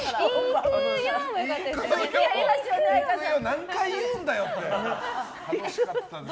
何回言うんだよ、それ。